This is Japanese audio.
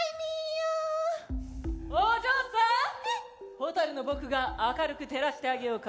ホタルの僕が明るく照らしてあげようか？